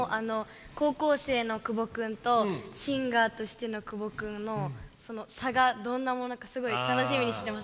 高校生の久保君とシンガーとしての久保君の差がどんなものかすごい楽しみにしてます。